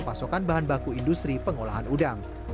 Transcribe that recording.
pasokan bahan baku industri pengolahan udang